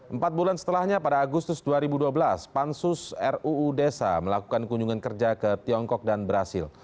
empat bulan setelahnya pada agustus dua ribu dua belas pansus ruu desa melakukan kunjungan kerja ke tiongkok dan brazil